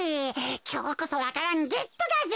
きょうこそわか蘭ゲットだぜ。